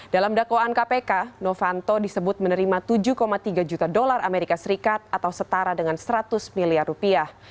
dalam dakwaan kpk novanto disebut menerima tujuh tiga juta dolar amerika serikat atau setara dengan seratus miliar rupiah